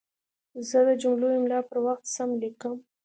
زه د جملو املا پر وخت سم لیکم.